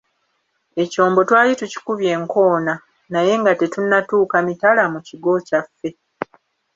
Ekyombo twali tukikubye enkoona; naye nga tetunnatuuka mitala mu kigo kyaffe.